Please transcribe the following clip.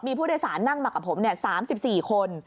มีผู้โดยสารนั่งมากับผม๓๔คน